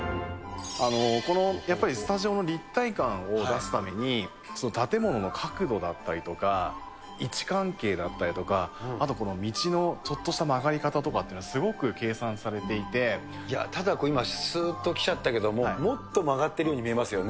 このやっぱりスタジオの立体感を出すために、建物の角度だったりとか、位置関係だったりとか、あとこの道のちょっとした曲がり方っていうのがすごく計算されてただこれ、すっと来ちゃったけども、もっと曲がってるように見えますよね。